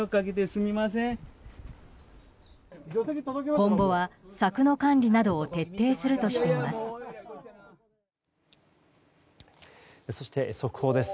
今後は柵の管理などを徹底するとしています。